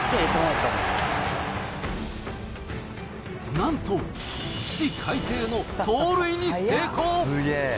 なんと、起死回生の盗塁に成功。